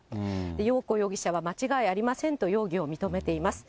ようこ容疑者は、間違いありませんと、容疑を認めています。